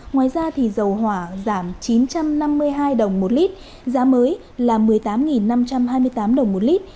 ngoài ra dầu hỏa giảm chín trăm năm mươi hai đồng một lít giá mới là một mươi tám năm trăm hai mươi tám đồng một lít